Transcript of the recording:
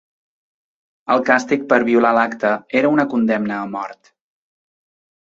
El càstig per violar l'acte era una condemna a mort.